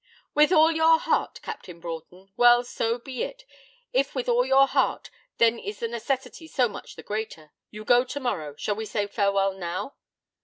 'With all your heart, Captain Broughton! Well, so be it. If with all your heart, then is the necessity so much the greater. You go tomorrow. Shall we say farewell now?'